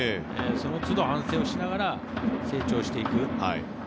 そのつど反省しながら成長していく。